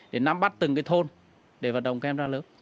để nắm mắt từng thôn để vận động các em ra lớp